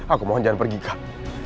aku mohon jangan pergi kak